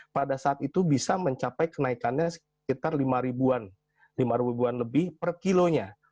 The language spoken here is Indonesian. pada saat itu bisa mencapai kenaikannya sekitar rp lima lebih per kilo